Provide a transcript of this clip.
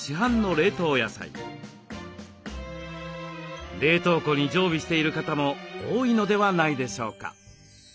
冷凍庫に常備している方も多いのではないでしょうか。